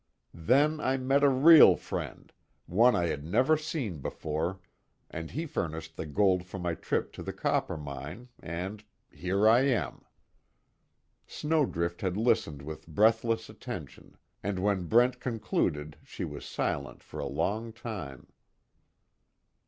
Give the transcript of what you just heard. Then I met a real friend one I had never seen before, and he furnished the gold for my trip to the Coppermine, and here I am." Snowdrift had listened with breathless attention and when Brent concluded she was silent for a long time.